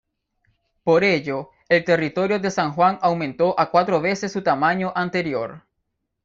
Por ello, el territorio de San Juan aumentó a cuatro veces su tamaño anterior.